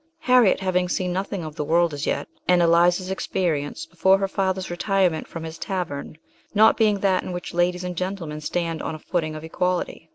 Harriet having seen nothing of the world as yet, and Eliza's experience before her father's retirement from his tavern not having been that in which ladies and gentlemen stand on a footing of equality.